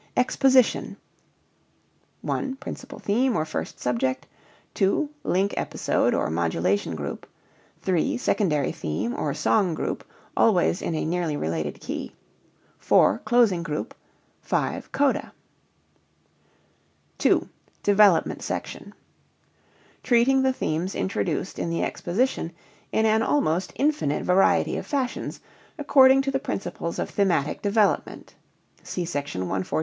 EXPOSITION (1) Principal theme (or first subject). (2) Link episode (or modulation group). (3) Secondary theme (or song group), always in a nearly related key. (4) Closing group. (5) Coda. II. DEVELOPMENT SECTION Treating the themes introduced in the exposition in an almost infinite variety of fashions, according to the principles of thematic development. (See Sec. 148).